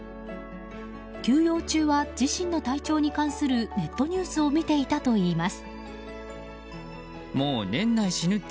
休養中は自身の体調に関するネットニュースを見ていたといいます。